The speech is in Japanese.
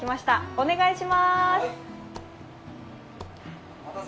お願いしまーす。